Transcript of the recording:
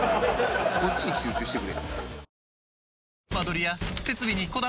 こっちに集中してくれ。